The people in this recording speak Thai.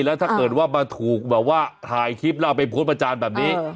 แล้วถ้าเกิดว่าถูกแบบว่าถ่ายคลิปเราไปพนักอาจารย์แบบนี้